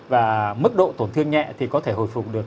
và mức độ tổn thương nhẹ thì có thể hồi phục được